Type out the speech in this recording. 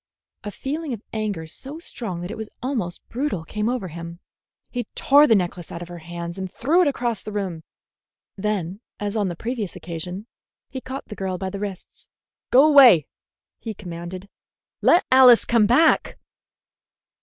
A feeling of anger so strong that it was almost brutal came over him. He tore the necklace out of her hands and threw it across the room. Then, as on the previous occasion, he caught the girl by the wrists. "Go away!" he commanded. "Let Alice come back!"